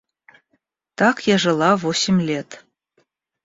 Так я жила восемь лет.